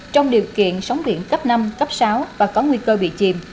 trong điều kiện sóng biển cấp năm cấp sáu và có nguy cơ bị chìm